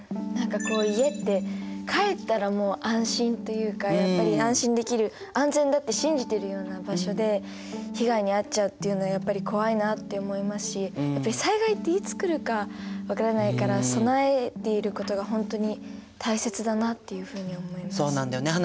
何かこう家って帰ったらもう安心というかやっぱり安心できる安全だって信じてるような場所で被害に遭っちゃうっていうのはやっぱり怖いなって思いますしやっぱり災害っていつ来るか分からないから備えていることが本当に大切だなっていうふうに思います。